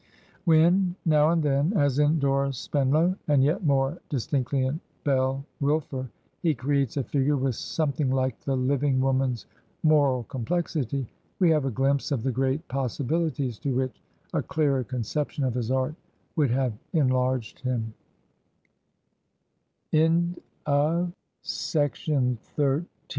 When, now and then, as in Dora Spenlow, and yet more dis tinctly in Belle Wilfer, he creates a figure with some thing like the living woman's moral complexity, we have a glimpse of the great possibilities to which a clearer conception of his art